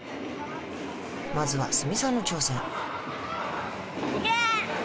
まずは鷲見さんの挑戦いけ！